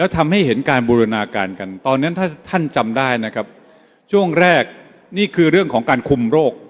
ตอนนั้นถ้าท่านจำได้นะครับช่วงแรกนี่คือเรื่องของการคุมโรค